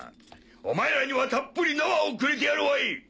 お前らにはたっぷりナワをくれてやるわい。